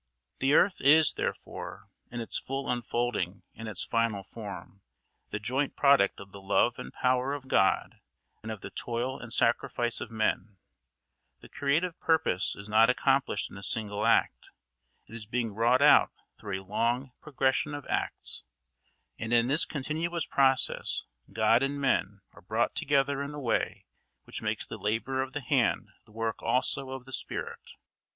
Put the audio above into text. The earth is, therefore, in its full unfolding and its final form, the joint product of the love and power of God and of the toil and sacrifice of men; the creative purpose is not accomplished in a single act; it is being wrought out through a long progression of acts; and in this continuous process God and men are brought together in a way which makes the labour of the hand the work also of the spirit.